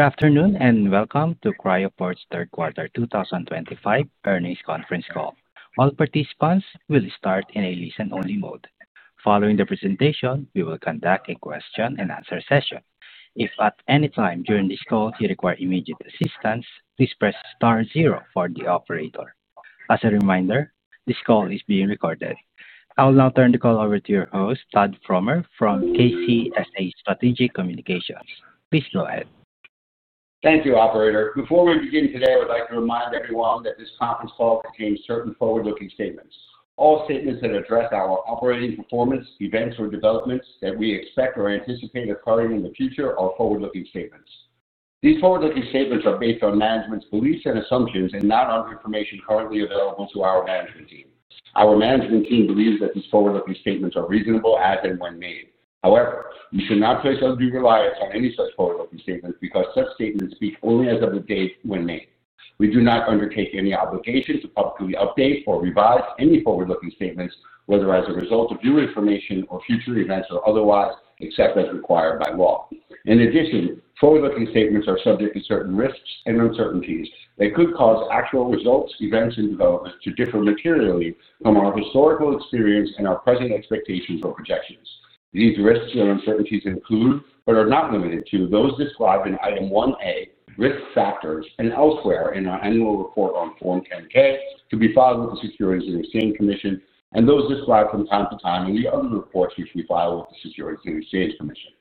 Good afternoon and welcome to Cryoport's Third Quarter 2025 earnings conference call. All participants will start in a listen-only mode. Following the presentation, we will conduct a question-and-answer session. If at any time during this call you require immediate assistance, please press star zero for the operator. As a reminder, this call is being recorded. I will now turn the call over to your host, Todd Fromer, from KCSA Strategic Communications. Please go ahead. Thank you, Operator. Before we begin today, I would like to remind everyone that this conference call contains certain forward-looking statements. All statements that address our operating performance, events, or developments that we expect or anticipate occurring in the future are forward-looking statements. These forward-looking statements are based on management's beliefs and assumptions and not on information currently available to our management team. Our management team believes that these forward-looking statements are reasonable, as and when made. However, you should not place undue reliance on any such forward-looking statements because such statements speak only as of the date when made. We do not undertake any obligation to publicly update or revise any forward-looking statements, whether as a result of new information or future events or otherwise, except as required by law. In addition, forward-looking statements are subject to certain risks and uncertainties that could cause actual results, events, and developments to differ materially from our historical experience and our present expectations or projections. These risks and uncertainties include, but are not limited to, those described in Item 1A, Risk Factors, and elsewhere in our annual report on Form 10-K to be filed with the Securities and Exchange Commission, and those described from time to time in the other reports which we file with the Securities and Exchange Commission.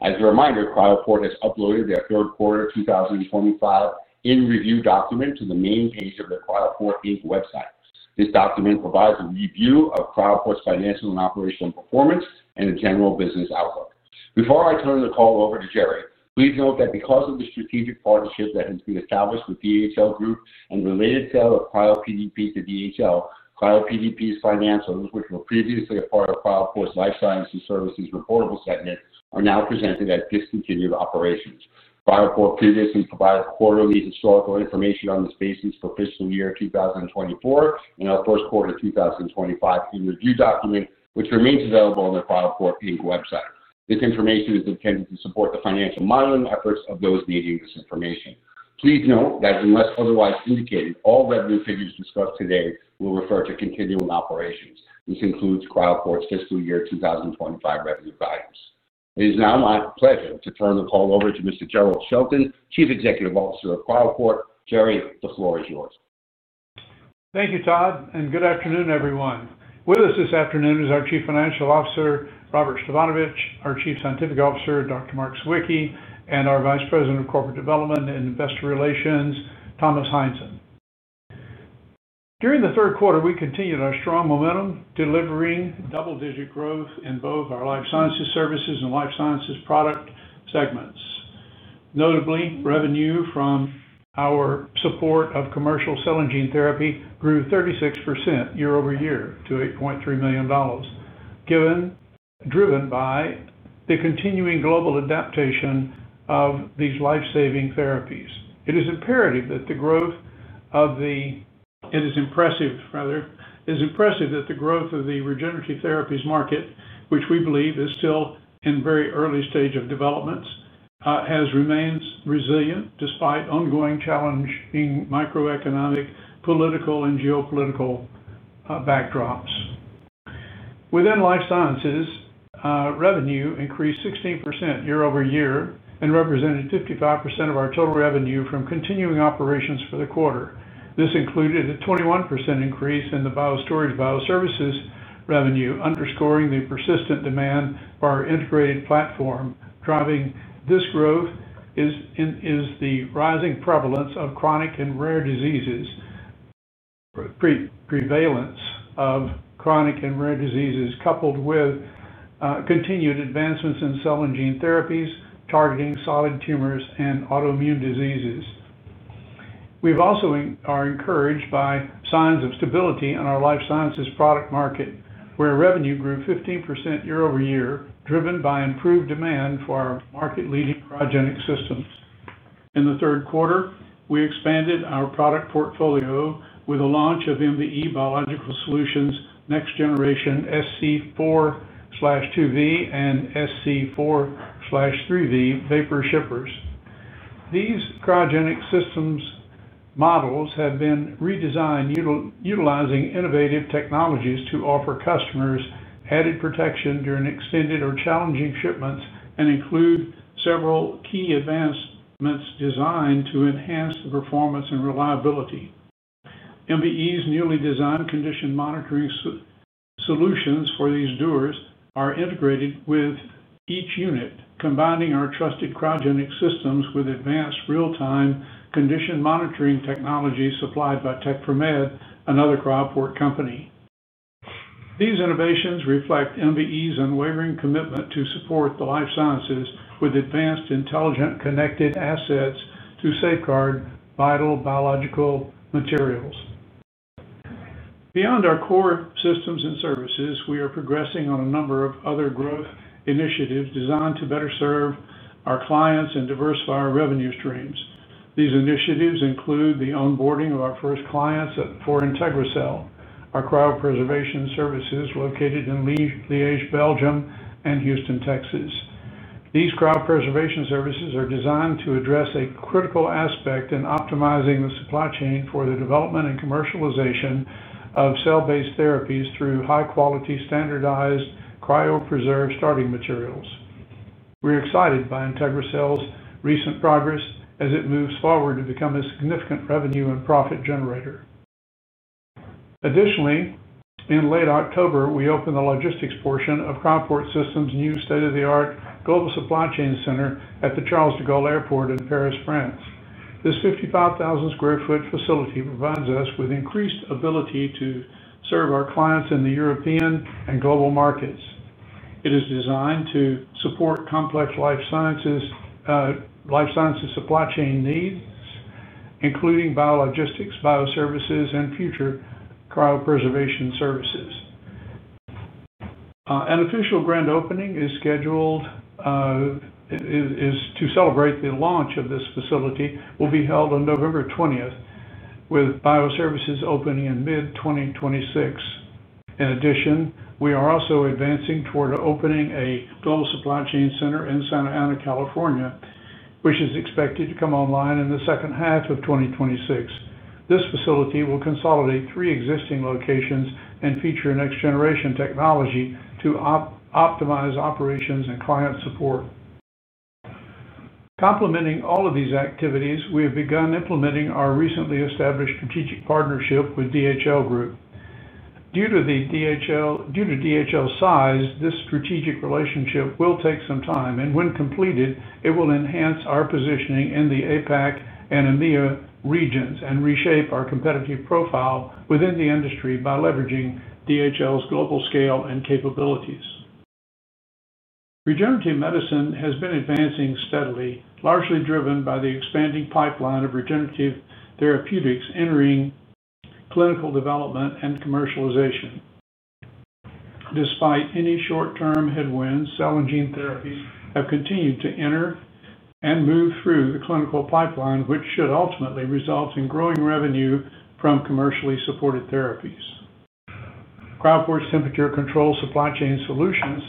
As a reminder, Cryoport has uploaded their Third Quarter 2025 in-review document to the main page of the Cryoport Inc. website. This document provides a review of Cryoport's financial and operational performance and general business outlook. Before I turn the call over to Jerrell, please note that because of the strategic partnership that has been established with DHL Group and the related sale of CryoPDP to DHL, CryoPDP's financials, which were previously a part of Cryoport's Life Sciences Services reportable segment, are now presented as discontinued operations. Cryoport previously provided quarterly historical information on this basis for fiscal year 2024 and our first quarter 2025 in-review document, which remains available on the Cryoport Inc. website. This information is intended to support the financial modeling efforts of those needing this information. Please note that, unless otherwise indicated, all revenue figures discussed today will refer to continuing operations. This includes Cryoport's fiscal year 2025 revenue values. It is now my pleasure to turn the call over to Mr. Jerrell Shelton, Chief Executive Officer of Cryoport. Jerrell, the floor is yours. Thank you, Todd, and good afternoon, everyone. With us this afternoon is our Chief Financial Officer, Robert Stefanovich, our Chief Scientific Officer, Dr. Mark Sawicki, and our Vice President of Corporate Development and Investor Relations, Thomas Heinzen. During the third quarter, we continued our strong momentum, delivering double-digit growth in both our Life Sciences Services and Life Sciences Products segments. Notably, revenue from our support of commercial cell and gene therapy grew 36% year-over-year to $8.3 million, driven by the continuing global adaptation of these lifesaving therapies. It is imperative that the growth of the— It is impressive, rather— it is impressive that the growth of the regenerative therapies market, which we believe is still in a very early stage of development, has remained resilient despite ongoing challenging microeconomic, political, and geopolitical backdrops. Within Life Sciences revenue increased 16% year-over-year and represented 55% of our total revenue from continuing operations for the quarter. This included a 21% increase in the biostorage bioservices revenue, underscoring the persistent demand for our integrated platform. Driving this growth is the rising prevalence of chronic and rare diseases coupled with continued advancements in cell and gene therapies targeting solid tumors and autoimmune diseases. We are also encouraged by signs of stability in our Life Sciences Products market, where revenue grew 15% year-over-year, driven by improved demand for our market-leading cryogenic systems. In the third quarter, we expanded our product portfolio with the launch of MVE Biological Solutions Next Generation SC 4/2V and SC 4/3V vapor shippers. These cryogenic systems models have been redesigned, utilizing innovative technologies to offer customers added protection during extended or challenging shipments and include several key advancements designed to enhance the performance and reliability. MVE's newly designed condition monitoring solutions for these shippers are integrated with each unit, combining our trusted cryogenic systems with advanced real-time condition monitoring technology supplied by Tec4med, another Cryoport company. These innovations reflect MVE's unwavering commitment to support the Life Sciences with advanced intelligent connected assets to safeguard vital biological materials. Beyond our core systems and services, we are progressing on a number of other growth initiatives designed to better serve our clients and diversify our revenue streams. These initiatives include the onboarding of our first clients for IntegriCell, our cryopreservation services located in Liège, Belgium, and Houston, Texas. These cryopreservation services are designed to address a critical aspect in optimizing the supply chain for the development and commercialization of cell-based therapies through high-quality, standardized cryopreserved starting materials. We're excited by IntegriCell's recent progress as it moves forward to become a significant revenue and profit generator. Additionally, in late October, we opened the logistics portion of Cryoport Systems' new state-of-the-art Global Supply Chain Center at the Charles de Gaulle Airport in Paris, France. This 55,000 sq ft facility provides us with increased ability to serve our clients in the European and global markets. It is designed to support complex life sciences supply chain needs, including biologistics, bioservices, and future cryopreservation services. An official grand opening is scheduled to celebrate the launch of this facility. It will be held on November 20th, with bioservices opening in mid-2026. In addition, we are also advancing toward opening a Global Supply Chain Center in Santa Ana, California, which is expected to come online in the second half of 2026. This facility will consolidate three existing locations and feature next-generation technology to optimize operations and client support. Complementing all of these activities, we have begun implementing our recently established strategic partnership with DHL Group. Due to DHL's size, this strategic relationship will take some time, and when completed, it will enhance our positioning in the APAC and EMEA regions and reshape our competitive profile within the industry by leveraging DHL's global scale and capabilities. Regenerative medicine has been advancing steadily, largely driven by the expanding pipeline of regenerative therapeutics entering clinical development and commercialization. Despite any short-term headwinds, cell and gene therapies have continued to enter and move through the clinical pipeline, which should ultimately result in growing revenue from commercially supported therapies. Cryoport's temperature-controlled supply chain solutions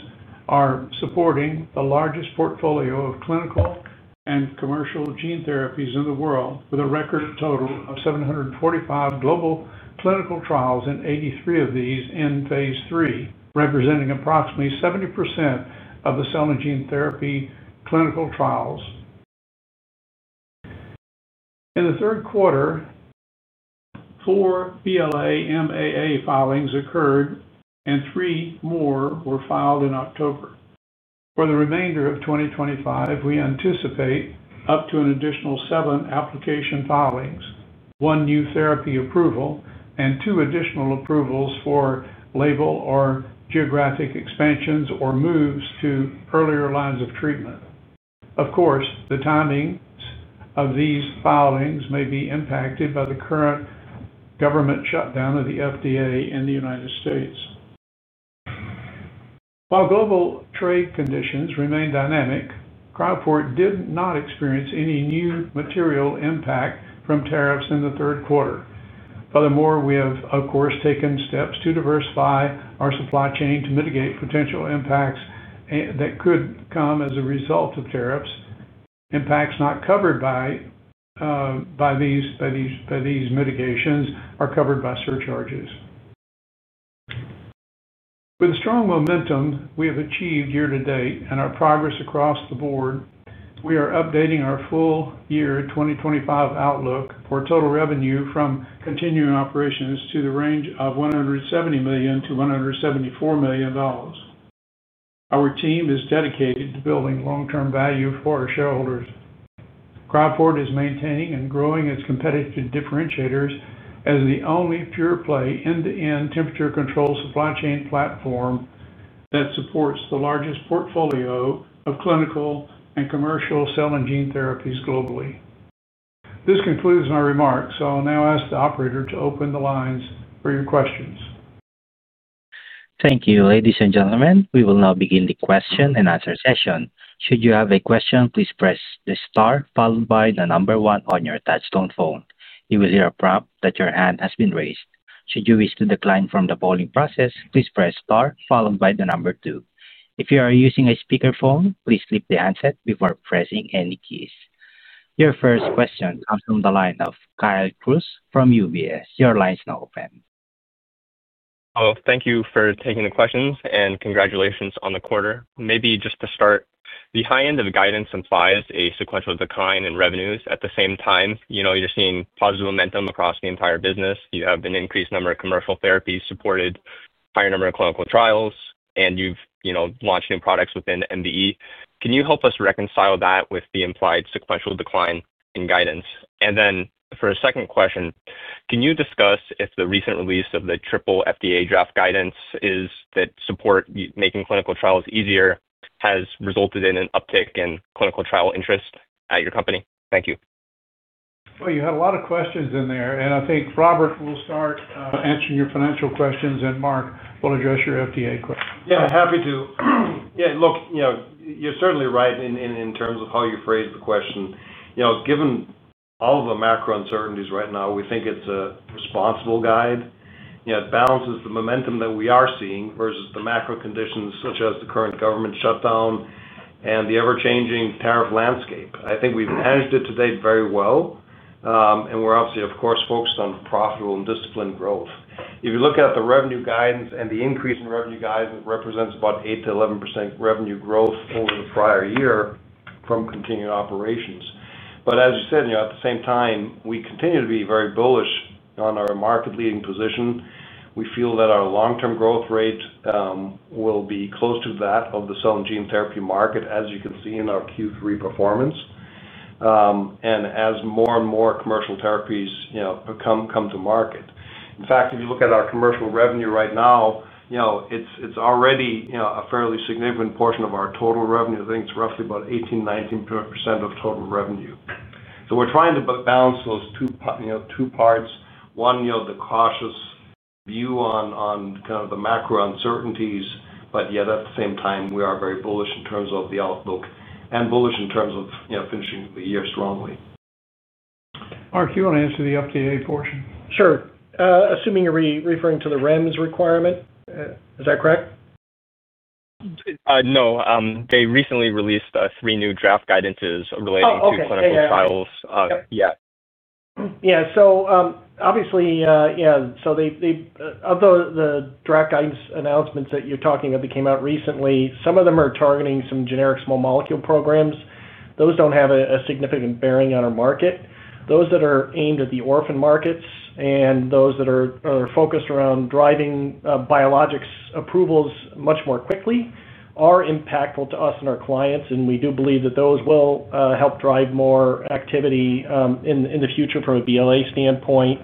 are supporting the largest portfolio of clinical and commercial gene therapies in the world, with a record total of 745 global clinical trials, and 83 of these in phase III, representing approximately 70% of the cell and gene therapy clinical trials. In the third quarter, four BLA/MAA filings occurred, and three more were filed in October. For the remainder of 2025, we anticipate up to an additional seven application filings, one new therapy approval, and two additional approvals for label or geographic expansions or moves to earlier lines of treatment. Of course, the timings of these filings may be impacted by the current government shutdown of the FDA in the United States. While global trade conditions remain dynamic, Cryoport did not experience any new material impact from tariffs in the third quarter. Furthermore, we have, of course, taken steps to diversify our supply chain to mitigate potential impacts that could come as a result of tariffs. Impacts not covered by these mitigations are covered by surcharges. With strong momentum we have achieved year to date and our progress across the board, we are updating our full year 2025 outlook for total revenue from continuing operations to the range of $170 million-$174 million. Our team is dedicated to building long-term value for our shareholders. Cryoport is maintaining and growing its competitive differentiators as the only pure-play end-to-end temperature-controlled supply chain platform that supports the largest portfolio of clinical and commercial cell and gene therapies globally. This concludes my remarks. I'll now ask the Operator to open the lines for your questions. Thank you, ladies and gentlemen. We will now begin the question and answer session. Should you have a question, please press the star followed by the number one on your touch-tone phone. You will hear a prompt that your hand has been raised. Should you wish to decline from the polling process, please press star followed by the number two. If you are using a speakerphone, please flip the handset before pressing any keys. Your first question comes from the line of Kyle Crews from UBS. Your line is now open. Thank you for taking the questions and congratulations on the quarter. Maybe just to start, the high-end of guidance implies a sequential decline in revenues. At the same time, you know you're seeing positive momentum across the entire business. You have an increased number of commercial therapies supported, a higher number of clinical trials, and you've launched new products within MVE. Can you help us reconcile that with the implied sequential decline in guidance? And then for a second question, can you discuss if the recent release of the triple FDA draft guidance that supports making clinical trials easier has resulted in an uptick in clinical trial interest at your company? Thank you. You had a lot of questions in there, and I think Robert will start answering your financial questions, and Mark will address your FDA questions. Yeah, happy to. Yeah, look, you're certainly right in terms of how you phrased the question. Given all of the macro uncertainties right now, we think it's a responsible guide. It balances the momentum that we are seeing versus the macro conditions such as the current government shutdown and the ever-changing tariff landscape. I think we've managed it to date very well, and we're obviously, of course, focused on profitable and disciplined growth. If you look at the revenue guidance and the increase in revenue guidance, it represents about 8%-11% revenue growth over the prior year from continuing operations, but as you said, at the same time, we continue to be very bullish on our market-leading position. We feel that our long-term growth rate will be close to that of the cell and gene therapy market, as you can see in our Q3 performance, and as more and more commercial therapies come to market. In fact, if you look at our commercial revenue right now, it's already a fairly significant portion of our total revenue. I think it's roughly about 18%-19% of total revenue, so we're trying to balance those two parts. One, the cautious view on kind of the macro uncertainties, but yet at the same time, we are very bullish in terms of the outlook and bullish in terms of finishing the year strongly. Mark, you want to answer the FDA portion? Sure. Assuming you're referring to the REMS requirement, is that correct? No. They recently released three new draft guidances relating to clinical trials. Oh, okay. Yeah. Yeah. So obviously, yeah. So. The draft guidance announcements that you're talking about that came out recently, some of them are targeting some generic small molecule programs. Those don't have a significant bearing on our market. Those that are aimed at the orphan markets and those that are focused around driving biologics approvals much more quickly are impactful to us and our clients, and we do believe that those will help drive more activity in the future from a BLA standpoint.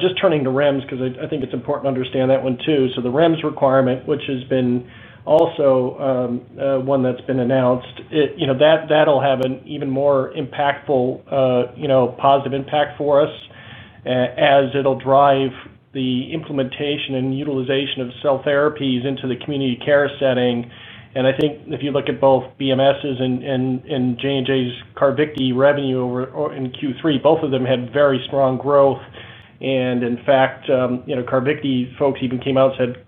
Just turning to REMS, because I think it's important to understand that one too. So the REMS requirement, which has been also. One that's been announced, that'll have an even more impactful. Positive impact for us. As it'll drive the implementation and utilization of cell therapies into the community care setting. And I think if you look at both BMS's and J&J's Carvykti revenue in Q3, both of them had very strong growth. And in fact, Carvykti folks even came out and said.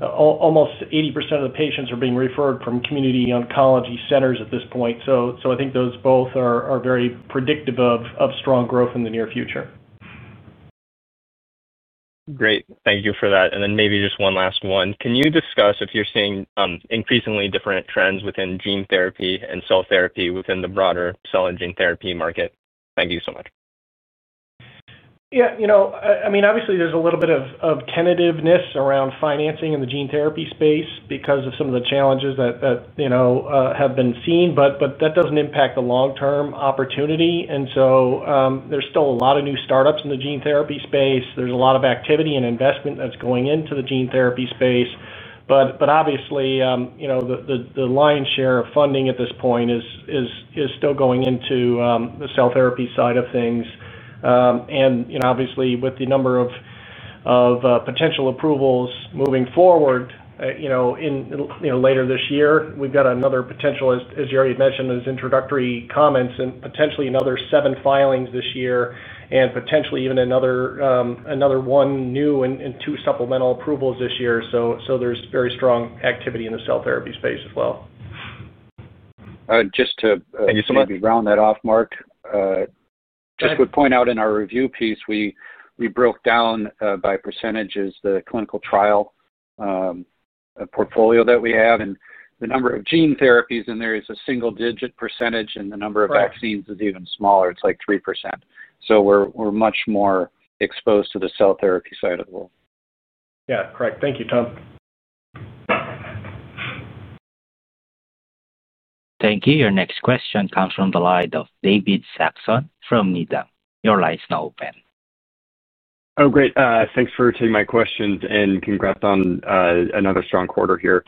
Almost 80% of the patients are being referred from community oncology centers at this point. So I think those both are very predictive of strong growth in the near future. Great. Thank you for that, and then maybe just one last one. Can you discuss if you're seeing increasingly different trends within gene therapy and cell therapy within the broader cell and gene therapy market? Thank you so much. Yeah. I mean, obviously, there's a little bit of tentativeness around financing in the gene therapy space because of some of the challenges that have been seen, but that doesn't impact the long-term opportunity. And so there's still a lot of new startups in the gene therapy space. There's a lot of activity and investment that's going into the gene therapy space. But obviously, the lion's share of funding at this point is still going into the cell therapy side of things. And obviously, with the number of potential approvals moving forward later this year, we've got another potential, as you already mentioned, as introductory comments and potentially another seven filings this year and potentially even another one new and two supplemental approvals this year. So there's very strong activity in the cell therapy space as well. Just to maybe round that off, Mark. Just would point out in our review piece, we broke down by percentages the clinical trial portfolio that we have, and the number of gene therapies in there is a single-digit percentage, and the number of vaccines is even smaller. It's like 3%, so we're much more exposed to the cell therapy side of the world. Yeah. Correct. Thank you, Tom. Thank you. Your next question comes from the line of David Saxon from Needham. Your line is now open. Oh, great. Thanks for taking my questions and congrats on another strong quarter here.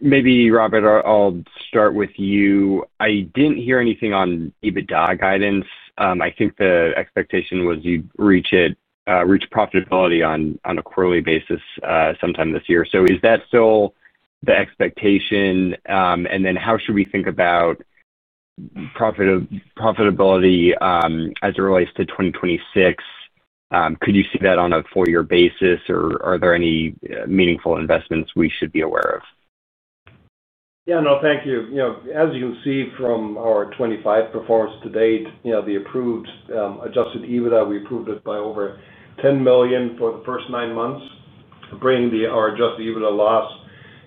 Maybe, Robert, I'll start with you. I didn't hear anything on EBITDA guidance. I think the expectation was you'd reach profitability on a quarterly basis sometime this year. So is that still the expectation? And then how should we think about profitability as it relates to 2026? Could you see that on a full-year basis, or are there any meaningful investments we should be aware of? Yeah. No, thank you. As you can see from our 2025 performance to date, the improved adjusted EBITDA, we improved it by over $10 million for the first nine months, bringing our adjusted EBITDA loss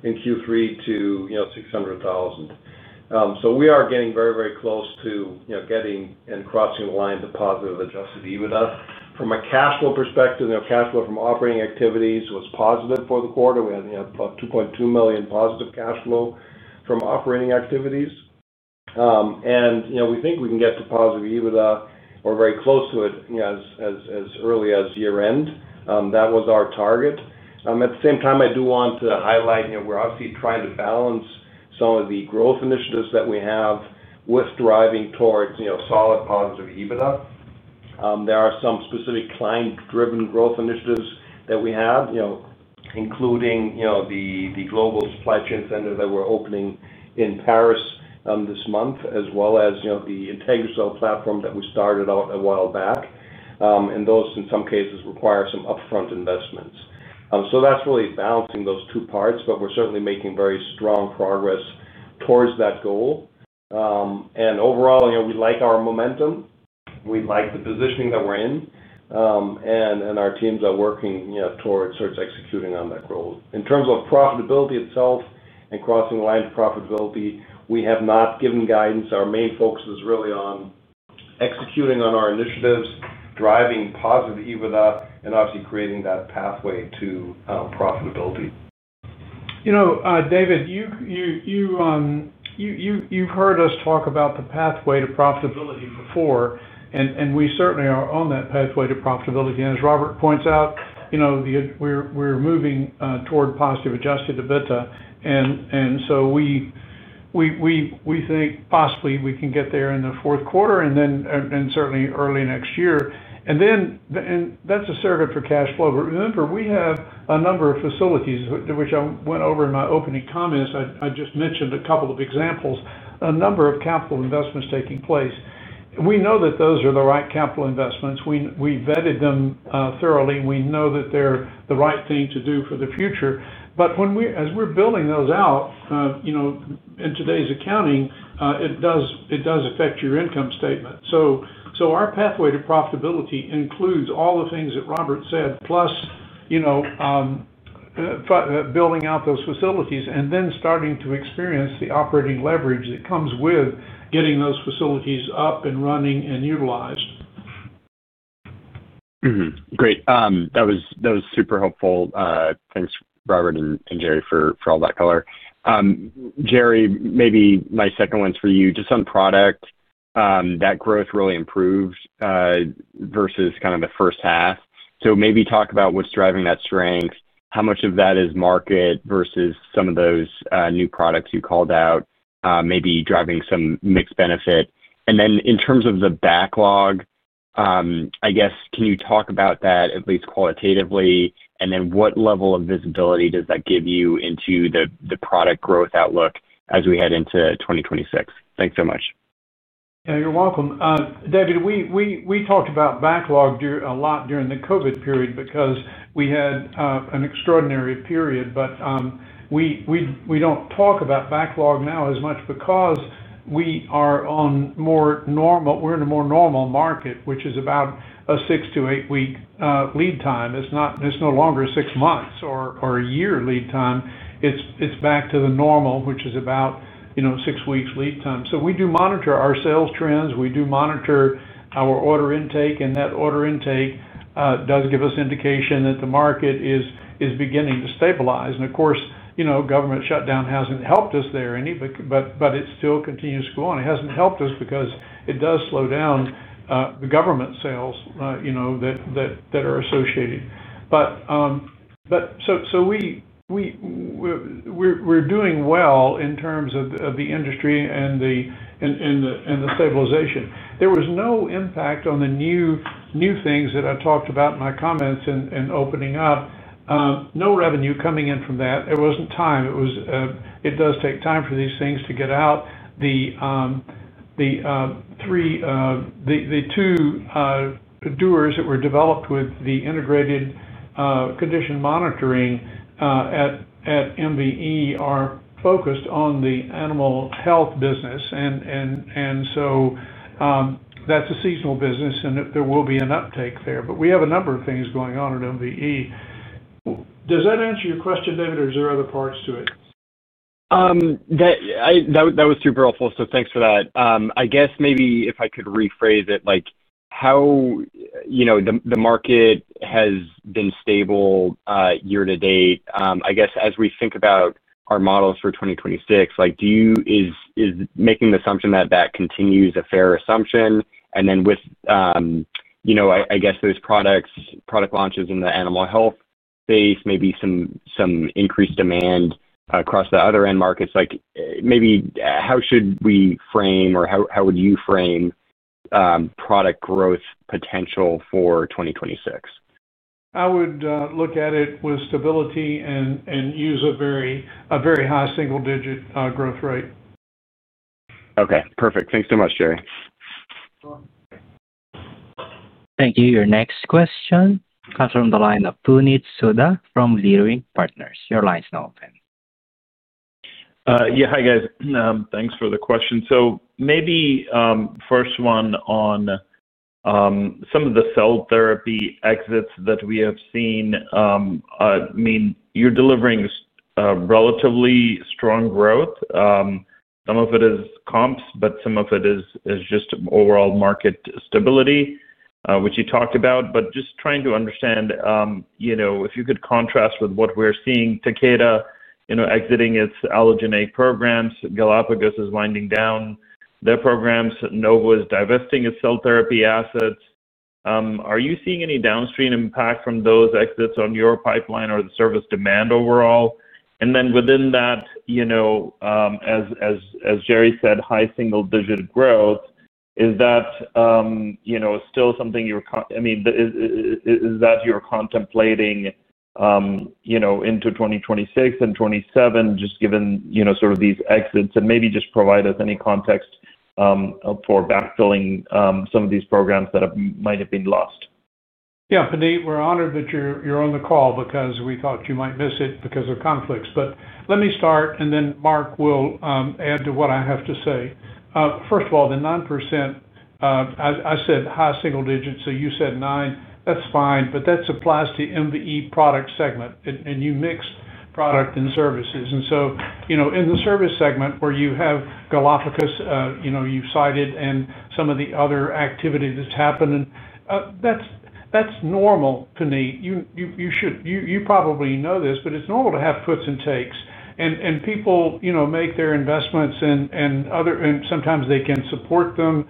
in Q3 to $600,000. So we are getting very, very close to getting and crossing the line to positive adjusted EBITDA. From a cash flow perspective, cash flow from operating activities was positive for the quarter. We had about $2.2 million positive cash flow from operating activities, and we think we can get to positive EBITDA or very close to it as early as year-end. That was our target. At the same time, I do want to highlight we're obviously trying to balance some of the growth initiatives that we have with driving towards solid positive EBITDA. There are some specific client-driven growth initiatives that we have, including the Global Supply Chain Center that we're opening in Paris this month, as well as the IntegriCell platform that we started out a while back, and those, in some cases, require some upfront investments. So that's really balancing those two parts, but we're certainly making very strong progress towards that goal, and overall, we like our momentum. We like the positioning that we're in, and our teams are working towards executing on that goal. In terms of profitability itself and crossing the line to profitability, we have not given guidance. Our main focus is really on executing on our initiatives, driving positive EBITDA, and obviously creating that pathway to profitability. David. You've heard us talk about the pathway to profitability before, and we certainly are on that pathway to profitability, and as Robert points out, we're moving toward positive adjusted EBITDA. And so we think possibly we can get there in the fourth quarter and certainly early next year. And that's a surrogate for cash flow. But remember, we have a number of facilities, which I went over in my opening comments. I just mentioned a couple of examples, a number of capital investments taking place. We know that those are the right capital investments. We vetted them thoroughly. We know that they're the right thing to do for the future. But as we're building those out, in today's accounting, it does affect your income statement. So our pathway to profitability includes all the things that Robert said, plus building out those facilities and then starting to experience the operating leverage that comes with getting those facilities up and running and utilized. Great. That was super helpful. Thanks, Robert and Jerry, for all that color. Jerry, maybe my second one's for you. Just on product, that growth really improved versus kind of the first half. So maybe talk about what's driving that strength. How much of that is market versus some of those new products you called out, maybe driving some mixed benefit? And then in terms of the backlog, I guess, can you talk about that at least qualitatively? And then what level of visibility does that give you into the product growth outlook as we head into 2026? Thanks so much. Yeah, you're welcome. David, we talked about backlog a lot during the COVID period because we had an extraordinary period, but we don't talk about backlog now as much because we are on a more normal market, which is about a six to eight-week lead time. It's no longer six months or a year lead time. It's back to the normal, which is about six weeks lead time. So we do monitor our sales trends. We do monitor our order intake, and that order intake does give us indication that the market is beginning to stabilize. And of course, government shutdown hasn't helped us there any, but it still continues to go on. It hasn't helped us because it does slow down the government sales that are associated, but so we're doing well in terms of the industry and the stabilization. There was no impact on the new things that I talked about in my comments in opening up. No revenue coming in from that. It wasn't time. It does take time for these things to get out the two doors that were developed with the integrated condition monitoring at MVE are focused on the animal health business. And so that's a seasonal business, and there will be an uptake there. But we have a number of things going on at MVE. Does that answer your question, David? Or is there other parts to it? That was super helpful. So thanks for that. I guess maybe if I could rephrase it. How the market has been stable year to date? I guess as we think about our models for 2026. Is making the assumption that that continues a fair assumption? And then with, I guess those product launches in the animal health space, maybe some increased demand across the other end markets, maybe how should we frame or how would you frame product growth potential for 2026? I would look at it with stability and use a very high single-digit growth rate. Okay. Perfect. Thanks so much, Jerry. Thank you. Your next question comes from the line of Puneet Souda from Leerink Partners. Your line is now open. Yeah. Hi, guys. Thanks for the question. So maybe first one on some of the cell therapy exits that we have seen. I mean, you're delivering relatively strong growth. Some of it is comps, but some of it is just overall market stability, which you talked about. But just trying to understand if you could contrast with what we're seeing, Takeda exiting its allogeneic programs, Galapagos is winding down their programs, Novartis is divesting its cell therapy assets. Are you seeing any downstream impact from those exits on your pipeline or the service demand overall? And then within that, as Jerry said, high single-digit growth, is that still something you're—I mean, is that you're contemplating into 2026 and 2027, just given sort of these exits? And maybe just provide us any context for backfilling some of these programs that might have been lost. Yeah. We're honored that you're on the call because we thought you might miss it because of conflicts. But let me start, and then Mark will add to what I have to say. First of all, the 9%. I said high single digits, so you said 9. That's fine, but that applies to MVE product segment, and you mix product and services. And so in the service segment where you have Galapagos, you cited, and some of the other activity that's happening, that's normal to me. You probably know this, but it's normal to have puts and takes. And people make their investments, and sometimes they can support them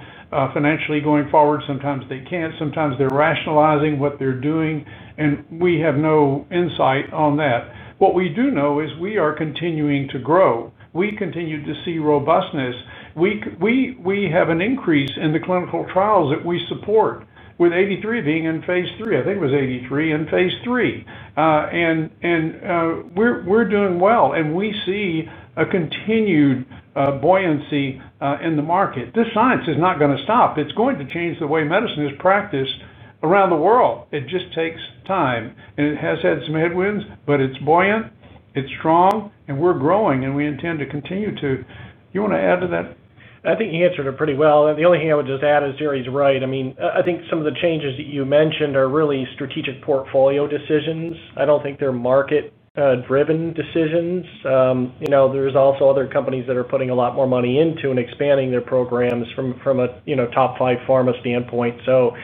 financially going forward. Sometimes they can't. Sometimes they're rationalizing what they're doing, and we have no insight on that. What we do know is we are continuing to grow. We continue to see robustness. We have an increase in the clinical trials that we support, with 83 being in phase III. I think it was 83 in phase III. And we're doing well, and we see a continued buoyancy in the market. This science is not going to stop. It's going to change the way medicine is practiced around the world. It just takes time. And it has had some headwinds, but it's buoyant, it's strong, and we're growing, and we intend to continue to. You want to add to that? I think you answered it pretty well. The only thing I would just add is Jerry's right. I mean, I think some of the changes that you mentioned are really strategic portfolio decisions. I don't think they're market-driven decisions. There's also other companies that are putting a lot more money into and expanding their programs from a top five pharma standpoint. So.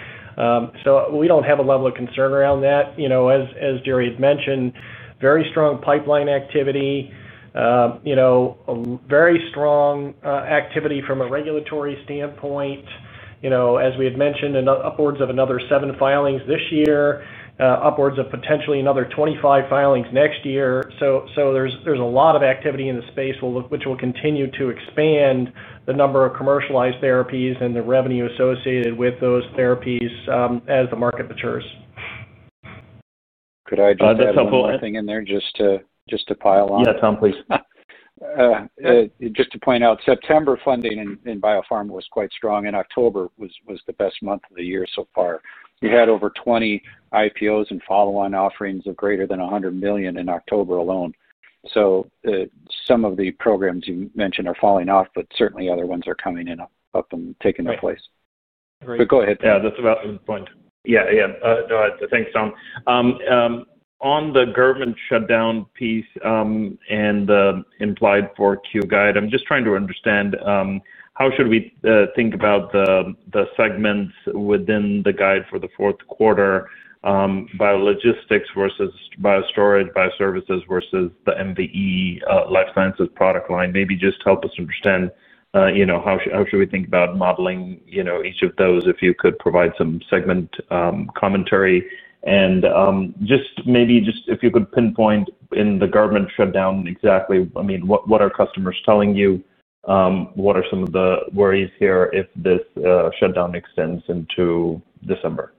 We don't have a level of concern around that. As Jerry had mentioned, very strong pipeline activity. Very strong activity from a regulatory standpoint. As we had mentioned, upwards of another seven filings this year, upwards of potentially another 25 filings next year. So there's a lot of activity in the space, which will continue to expand the number of commercialized therapies and the revenue associated with those therapies as the market matures. Could I just add one more thing in there just to pile on? Yeah, Tom, please. Just to point out, September funding in biopharma was quite strong, and October was the best month of the year so far. You had over 20 IPOs and follow-on offerings of greater than $100 million in October alone. So. Some of the programs you mentioned are falling off, but certainly other ones are coming up and taking their place. But go ahead, yeah, that's about the point. Yeah, yeah. No, thanks, Tom. On the government shutdown piece and the implied Q4 guide, I'm just trying to understand how should we think about the segments within the guide for the fourth quarter. BioLogistics versus BioStorage, BioServices versus the MVE Life Sciences product line. Maybe just help us understand. How should we think about modeling each of those if you could provide some segment commentary. And just maybe if you could pinpoint in the government shutdown exactly, I mean, what are customers telling you? What are some of the worries here if this shutdown extends into December?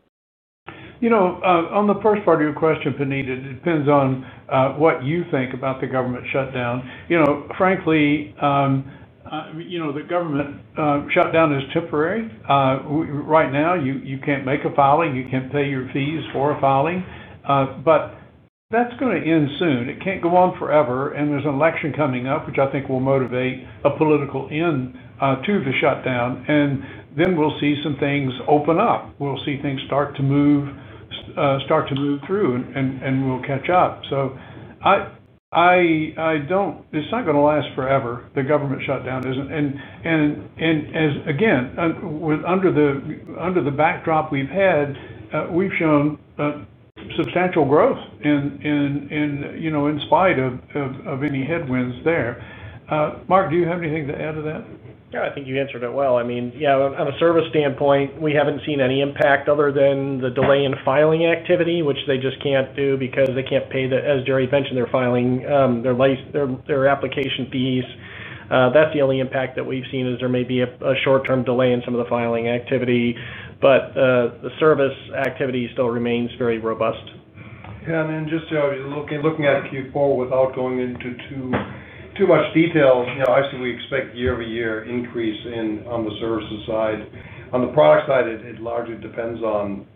On the first part of your question, Puneet, it depends on what you think about the government shutdown. Frankly. The government shutdown is temporary. Right now, you can't make a filing. You can't pay your fees for a filing. But that's going to end soon. It can't go on forever. And there's an election coming up, which I think will motivate a political end to the shutdown. And then we'll see some things open up. We'll see things start to move through, and we'll catch up. So. I don't. It's not going to last forever. The government shutdown isn't. And again, under the backdrop we've had, we've shown substantial growth in spite of any headwinds there. Mark, do you have anything to add to that? Yeah, I think you answered it well. I mean, yeah, on a service standpoint, we haven't seen any impact other than the delay in filing activity, which they just can't do because they can't pay the, as Jerrell mentioned, they're filing their application fees. That's the only impact that we've seen is there may be a short-term delay in some of the filing activity. But the service activity still remains very robust. Yeah. And then just looking at Q4 without going into too much detail, obviously, we expect year-over-year increase on the services side. On the product side, it largely depends on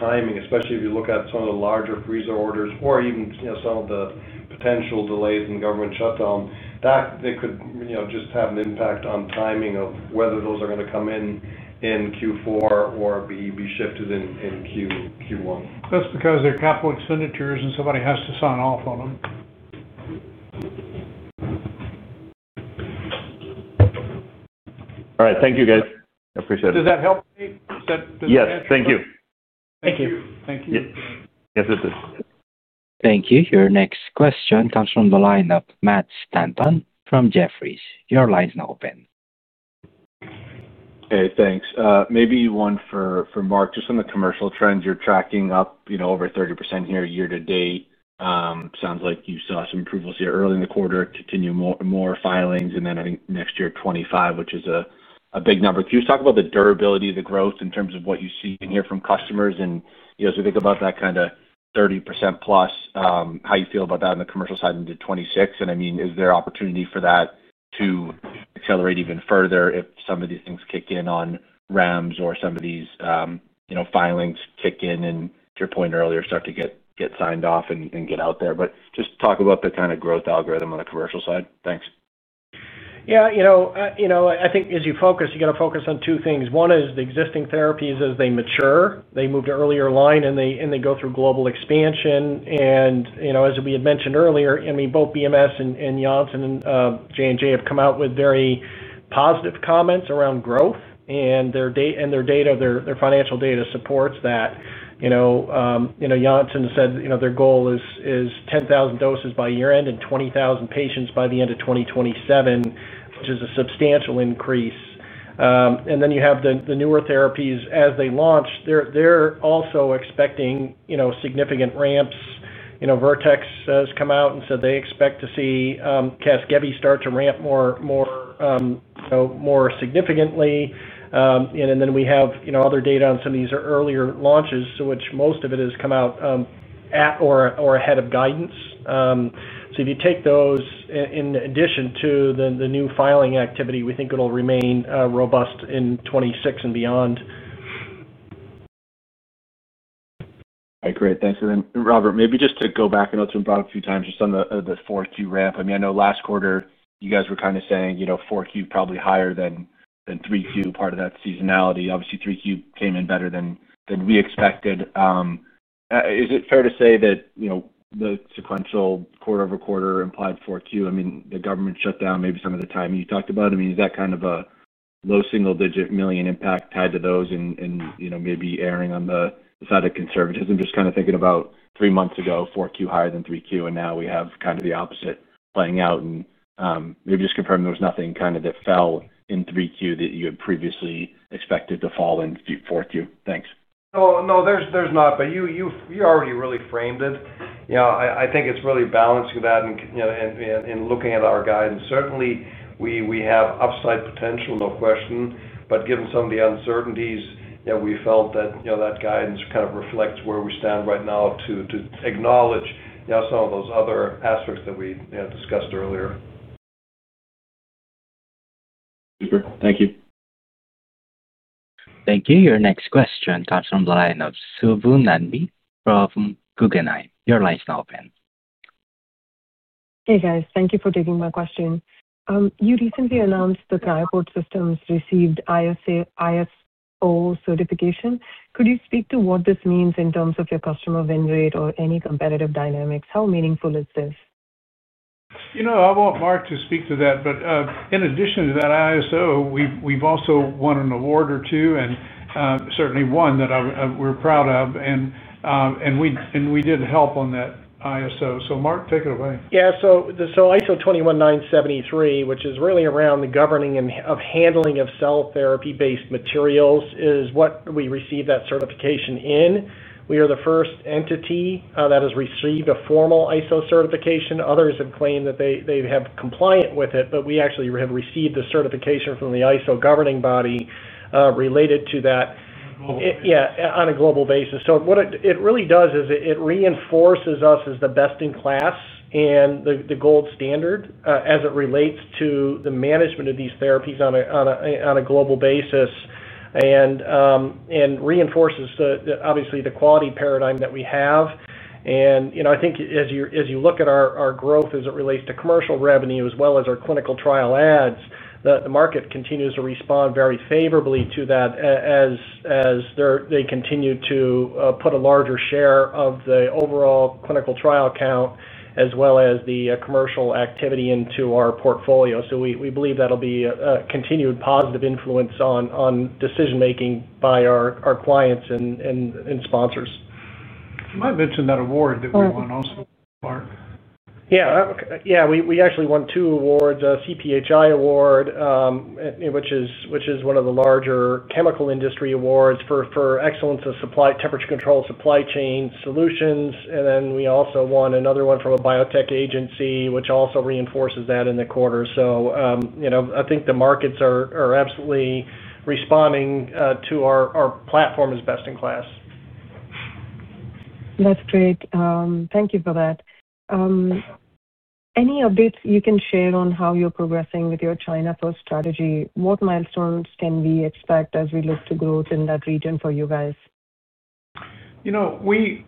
timing, especially if you look at some of the larger freezer orders or even some of the potential delays in government shutdown. That could just have an impact on timing of whether those are going to come in Q4 or be shifted in Q1. That's because they're capital expenditures, and somebody has to sign off on them. All right. Thank you, guys. Appreciate it. Does that help? Does that answer? Yeah. Thank you. Thank you. Yes, it did. Thank you. Your next question comes from the line of Matt Stanton from Jefferies. Your line is now open. Hey, thanks. Maybe one for Mark. Just on the commercial trends, you're tracking up over 30% here year to date. Sounds like you saw some improvements here early in the quarter, continue more filings, and then I think next year 25%, which is a big number. Can you just talk about the durability of the growth in terms of what you've seen here from customers? And as we think about that kind of 30% plus, how you feel about that on the commercial side into 2026? And I mean, is there opportunity for that to accelerate even further if some of these things kick in on REMS or some of these filings kick in and, to your point earlier, start to get signed off and get out there? But just talk about the kind of growth algorithm on the commercial side. Thanks. Yeah. I think as you focus, you got to focus on two things. One is the existing therapies as they mature, they move to earlier line, and they go through global expansion. And as we had mentioned earlier, I mean, both BMS and Janssen and J&J have come out with very positive comments around growth. And their data, their financial data supports that. Janssen said their goal is 10,000 doses by year-end and 20,000 patients by the end of 2027, which is a substantial increase. And then you have the newer therapies as they launch. They're also expecting significant ramps. Vertex has come out and said they expect to see Casgevy start to ramp more significantly. And then we have other data on some of these earlier launches, which most of it has come out or ahead of guidance. So if you take those in addition to the new filing activity, we think it'll remain robust in 2026 and beyond. All right. Great. Thanks. And then, Robert, maybe just to go back - I know it's been brought up a few times - just on the Q4 ramp. I mean, I know last quarter, you guys were kind of saying Q4 probably higher than Q3, part of that seasonality. Obviously, Q3 came in better than we expected. Is it fair to say that the sequential quarter-over-quarter implied Q4? I mean, the government shutdown, maybe some of the timing you talked about. I mean, is that kind of a low single-digit million impact tied to those and maybe erring on the side of conservatism? Just kind of thinking about three months ago, Q4 higher than Q3, and now we have kind of the opposite playing out. And maybe just confirming there was nothing kind of that fell in Q3 that you had previously expected to fall in Q4. Thanks. No, there's not. But you already really framed it. I think it's really balancing that and looking at our guidance. Certainly, we have upside potential, no question. But given some of the uncertainties, we felt that that guidance kind of reflects where we stand right now to acknowledge some of those other aspects that we discussed earlier. Super. Thank you. Thank you. Your next question comes from the line of Subbu Nambi from Guggenheim. Your line is now open. Hey, guys. Thank you for taking my question. You recently announced the Tripod Systems received ISO certification. Could you speak to what this means in terms of your customer win rate or any competitive dynamics? How meaningful is this? I want Mark to speak to that. But in addition to that ISO, we've also won an award or two, and certainly one that we're proud of. We did help on that ISO. So Mark, take it away. Yeah. So ISO 21973, which is really around the governing of handling of cell therapy-based materials, is what we received that certification in. We are the first entity that has received a formal ISO certification. Others have claimed that they have compliant with it, but we actually have received the certification from the ISO governing body related to that. Yeah, on a global basis. So what it really does is it reinforces us as the best in class and the gold standard as it relates to the management of these therapies on a global basis and reinforces, obviously, the quality paradigm that we have. And I think as you look at our growth as it relates to commercial revenue as well as our clinical trial adds, the market continues to respond very favorably to that as they continue to put a larger share of the overall clinical trial count as well as the commercial activity into our portfolio. So we believe that'll be a continued positive influence on decision-making by our clients and sponsors. You might mention that award that we won also, Mark. Yeah. Yeah. We actually won two awards, a CPHI award, which is one of the larger chemical industry awards for excellence of temperature control supply chain solutions. And then we also won another one from a biotech agency, which also reinforces that in the quarter. So I think the markets are absolutely responding to our platform as best in class. That's great. Thank you for that. Any updates you can share on how you're progressing with your China first strategy? What milestones can we expect as we look to growth in that region for you guys? We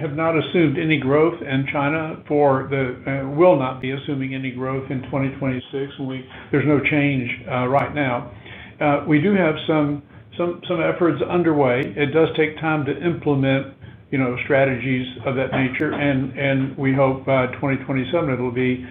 have not assumed any growth in China. We will not be assuming any growth in 2026. There's no change right now. We do have some efforts underway. It does take time to implement strategies of that nature, and we hope by 2027, it'll be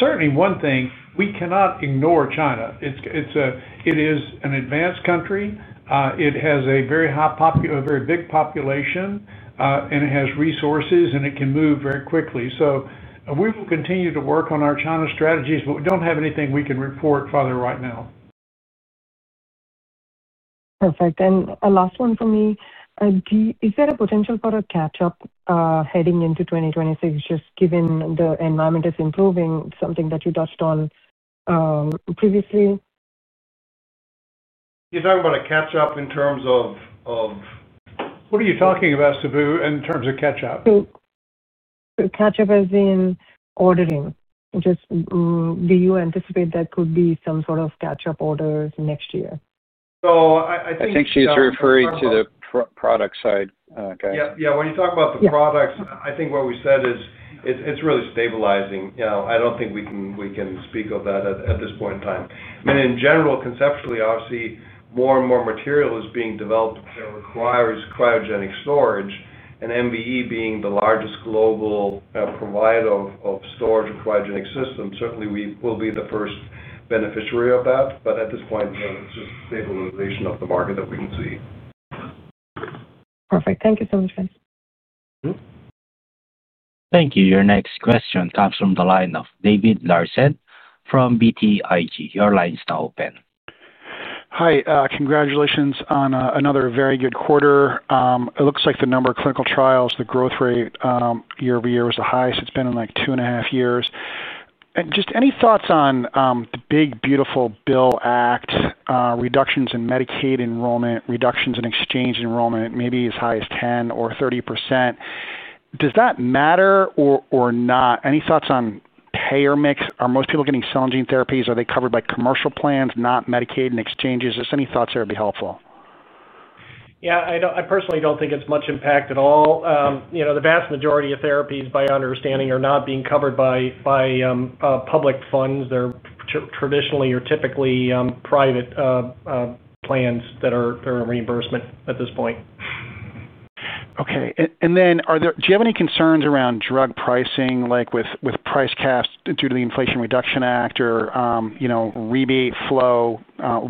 certainly one thing we cannot ignore China. It is an advanced country. It has a very high population, a very big population, and it has resources, and it can move very quickly, so we will continue to work on our China strategies, but we don't have anything we can report further right now. Perfect. And a last one for me. Is there a potential for a catch-up heading into 2026, just given the environment is improving, something that you touched on previously? You're talking about a catch-up in terms of. What are you talking about, Subbu, in terms of catch-up? So. Catch-up as in ordering. Do you anticipate that could be some sort of catch-up orders next year? So I think. I think she's referring to the product side, guys. Yeah. Yeah. When you talk about the products, I think what we said is it's really stabilizing. I don't think we can speak of that at this point in time. I mean, in general, conceptually, obviously, more and more material is being developed that requires cryogenic storage, and MVE being the largest global provider of storage and cryogenic systems, certainly, we will be the first beneficiary of that, but at this point, it's just stabilization of the market that we can see. Perfect. Thank you so much, guys. Thank you. Your next question comes from the line of David Larsen from BTIG. Your line is now open. Hi. Congratulations on another very good quarter. It looks like the number of clinical trials, the growth rate year over year was the highest. It's been in like two and a half years. And just any thoughts on the Big Beautiful Bill Act, reductions in Medicaid enrollment, reductions in exchange enrollment, maybe as high as 10% or 30%? Does that matter or not? Any thoughts on payer mix? Are most people getting cell and gene therapies? Are they covered by commercial plans, not Medicaid and exchanges? Just any thoughts that would be helpful. Yeah. I personally don't think it's much impact at all. The vast majority of therapies, by my understanding, are not being covered by public funds. They're traditionally or typically private plans that are reimbursing at this point. Okay. And then do you have any concerns around drug pricing, like with price caps due to the Inflation Reduction Act or rebate flow,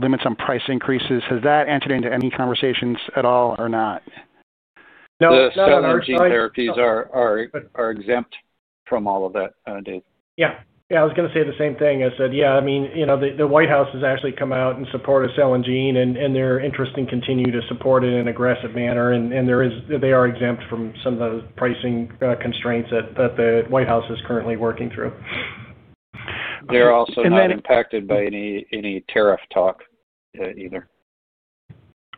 limits on price increases? Has that entered into any conversations at all or not? No. Not on our. Therapies are exempt from all of that, Dave. Yeah. Yeah. I was going to say the same thing. I said, yeah, I mean, the White House has actually come out in support of cell and gene, and they're interested in continuing to support it in an aggressive manner. And they are exempt from some of the pricing constraints that the White House is currently working through. They're also not impacted by any tariff talk either.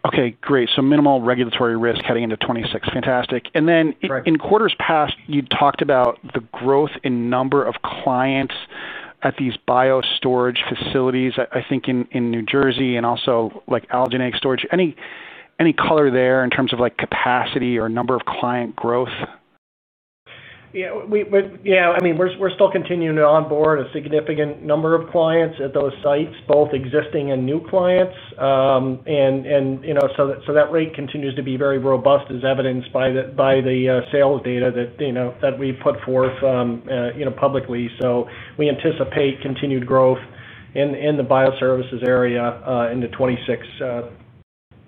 Okay. Great. So minimal regulatory risk heading into 2026. Fantastic. And then in quarters past, you'd talked about the growth in number of clients at these BioStorage facilities, I think, in New Jersey and also Allendale storage. Any color there in terms of capacity or number of client growth? Yeah. I mean, we're still continuing to onboard a significant number of clients at those sites, both existing and new clients. And so that rate continues to be very robust, as evidenced by the sales data that we put forth. Publicly. So we anticipate continued growth in the bioservices area into 2026.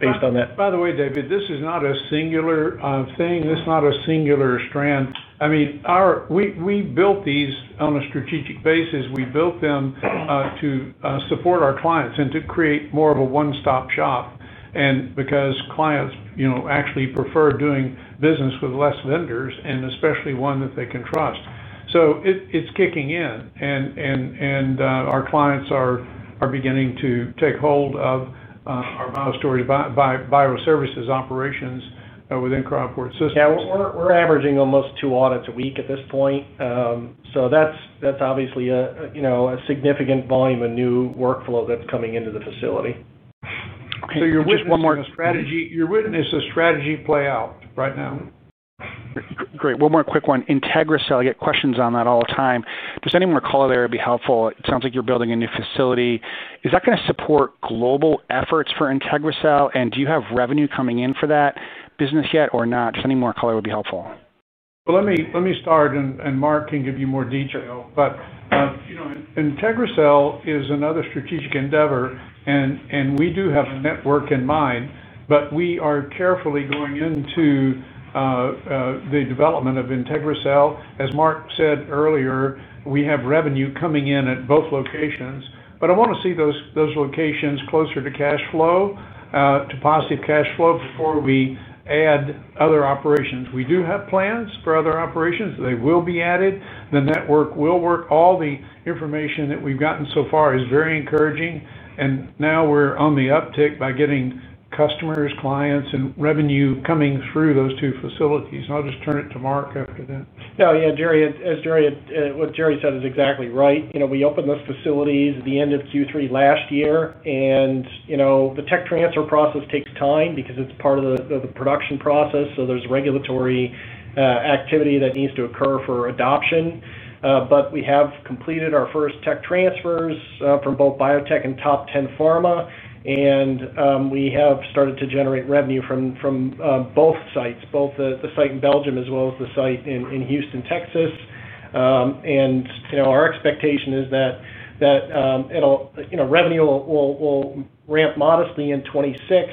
Based on that. By the way, Dave, this is not a singular thing. This is not a singular strand. I mean. We built these on a strategic basis. We built them to support our clients and to create more of a one-stop shop because clients actually prefer doing business with less vendors, and especially one that they can trust. So it's kicking in. And our clients are beginning to take hold of our bioservices operations within Cryoport Systems. Yeah. We're averaging almost two audits a week at this point. So that's obviously a significant volume of new workflow that's coming into the facility. So you're witnessing a strategy play out right now. Great. One more quick one. IntegriCell, I get questions on that all the time. Just any more color there would be helpful. It sounds like you're building a new facility. Is that going to support global efforts for IntegriCell? And do you have revenue coming in for that business yet or not? Just any more color would be helpful. Let me start, and Mark can give you more detail. But IntegriCell is another strategic endeavor, and we do have a network in mind, but we are carefully going into the development of IntegriCell. As Mark said earlier, we have revenue coming in at both locations. But I want to see those locations closer to cash flow, to positive cash flow before we add other operations. We do have plans for other operations. They will be added. The network will work. All the information that we've gotten so far is very encouraging. And now we're on the uptick by getting customers, clients, and revenue coming through those two facilities. And I'll just turn it to Mark after that. Yeah. Yeah. As Jerry said, it's exactly right. We opened those facilities at the end of Q3 last year. And the tech transfer process takes time because it's part of the production process. So there's regulatory activity that needs to occur for adoption. But we have completed our first tech transfers from both biotech and top 10 pharma. And we have started to generate revenue from both sites, both the site in Belgium as well as the site in Houston, Texas. And our expectation is that revenue will ramp modestly in 2026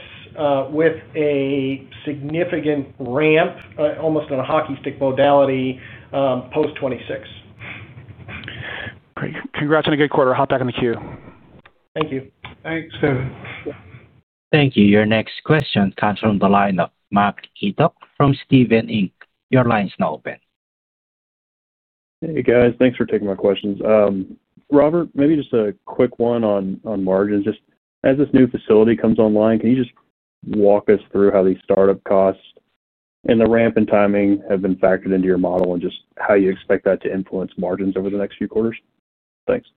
with a significant ramp, almost in a hockey stick modality, post 2026. Great. Congrats on a good quarter. Hop back in the queue. Thank you. Thanks, Dave. Thank you. Your next question comes from the line of Mason Carrico from Stifel, Inc. Your line is now open. Hey, guys. Thanks for taking my questions. Robert, maybe just a quick one on margins. Just as this new facility comes online, can you just walk us through how these startup costs and the ramp in timing have been factored into your model and just how you expect that to influence margins over the next few quarters? Thanks.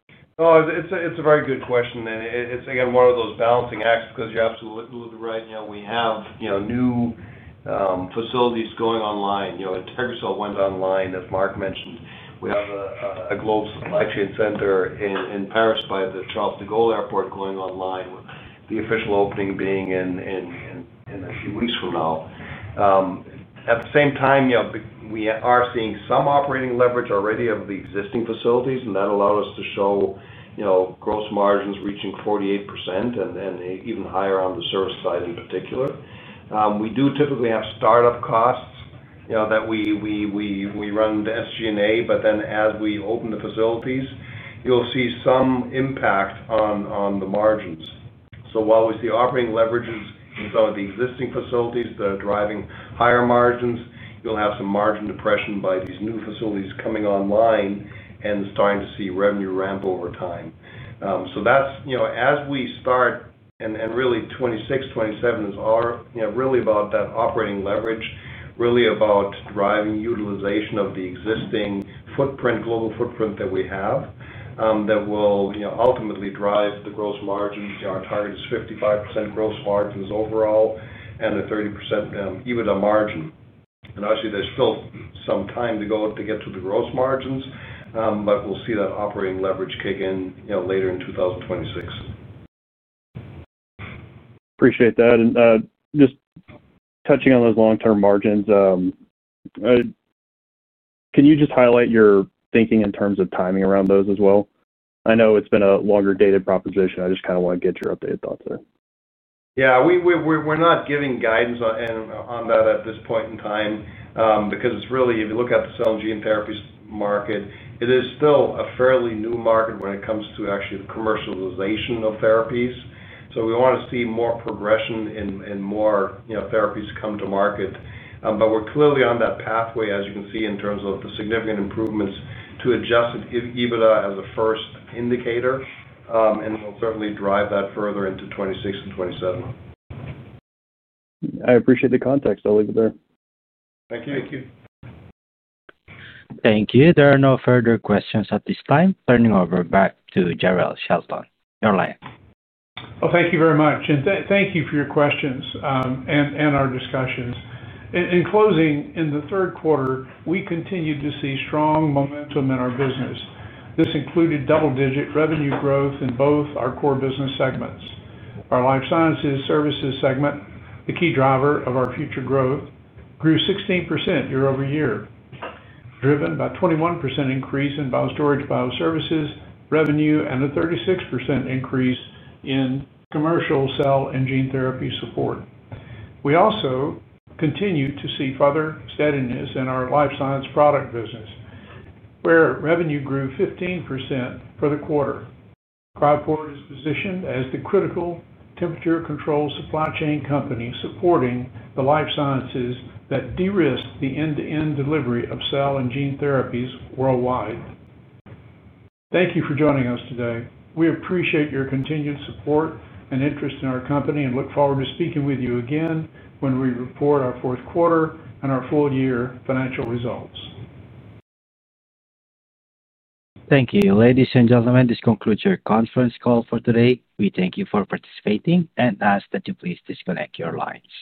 No, it's a very good question. And it's, again, one of those balancing acts because you're absolutely right. We have new facilities going online. IntegriCell went online, as Mark mentioned. We have a global supply chain center in Paris by the Charles de Gaulle Airport going online, with the official opening being in a few weeks from now. At the same time, we are seeing some operating leverage already of the existing facilities, and that allowed us to show gross margins reaching 48% and even higher on the service side in particular. We do typically have startup costs that we run the SG&A, but then as we open the facilities, you'll see some impact on the margins. So while we see operating leverages in some of the existing facilities, they're driving higher margins, you'll have some margin depression by these new facilities coming online and starting to see revenue ramp over time. So as we start and really, 2026, 2027 is really about that operating leverage, really about driving utilization of the existing global footprint that we have that will ultimately drive the gross margins. Our target is 55% gross margins overall and a 30% EBITDA margin. And obviously, there's still some time to go to get to the gross margins, but we'll see that operating leverage kick in later in 2026. Appreciate that. And just touching on those long-term margins. Can you just highlight your thinking in terms of timing around those as well? I know it's been a longer-dated proposition. I just kind of want to get your updated thoughts there. Yeah. We're not giving guidance on that at this point in time because it's really, if you look at the cell and gene therapies market, it is still a fairly new market when it comes to actually the commercialization of therapies. So we want to see more progression and more therapies come to market. But we're clearly on that pathway, as you can see, in terms of the significant improvements to adjusted EBITDA as a first indicator. And we'll certainly drive that further into 2026 and 2027. I appreciate the context. I'll leave it there. Thank you. Thank you. There are no further questions at this time. Turning over back to Jerrell Shelton. Your line. Well, thank you very much. And thank you for your questions and our discussions. In closing, in the third quarter, we continued to see strong momentum in our business. This included double-digit revenue growth in both our core business segments. Our Life Sciences Services segment, the key driver of our future growth, grew 16% year over year, driven by a 21% increase in Biostorage bioservices revenue and a 36% increase in commercial cell and gene therapy support. We also continued to see further steadiness in our Life Sciences Products business, where revenue grew 15% for the quarter. Cryoport is positioned as the critical temperature control supply chain company supporting the life sciences that de-risk the end-to-end delivery of cell and gene therapies worldwide. Thank you for joining us today. We appreciate your continued support and interest in our company and look forward to speaking with you again when we report our fourth quarter and our full-year financial results. Thank you. Ladies and gentlemen, this concludes your conference call for today. We thank you for participating and ask that you please disconnect your lines.